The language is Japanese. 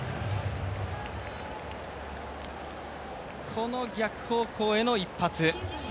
この逆方向への一発。